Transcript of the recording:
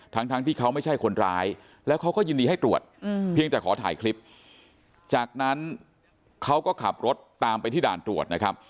ทั้งที่เขาไม่ใช่คนร้ายแล้วเขาก็ยินดีให้ตรวจเพียงแต่ขอถ่ายคลิปจากนั้นเขาก็ขับรถตามไปที่ด่านตรวจนะครับ